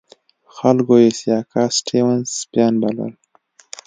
خلکو یې سیاکا سټیونز سپیان بلل.